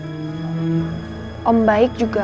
sama om baik juga